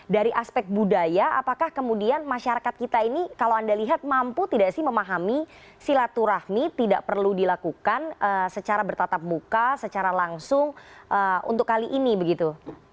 dari aspek budaya apakah kemudian masyarakat kita ini kalau anda lihat mampu tidak sih memahami silaturahmi tidak perlu dilakukan secara bertatap muka secara langsung untuk kali ini begitu